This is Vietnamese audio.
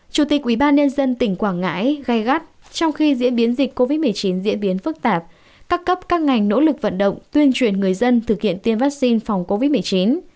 chủ tịch ubnd tỉnh quảng ngãi gai gắt trong khi diễn biến dịch covid một mươi chín diễn biến phức tạp các cấp các ngành nỗ lực vận động tuyên truyền người dân thực hiện tiêm vaccine phòng covid một mươi chín